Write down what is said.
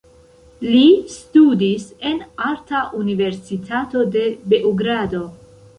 Li studis en arta universitato de Beogrado.